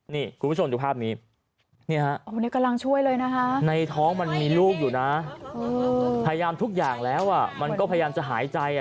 นี่คุณผู้ชมดูภาพนี้กำลังช่วยเลยนะคะในท้องมันมีลูกอยู่นะพยายามทุกอย่างแล้วอ่ะมันก็พยายามจะหายใจอ่ะ